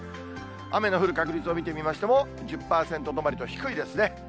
雨の降る確率を見てみましても、１０％止まりと低いですね。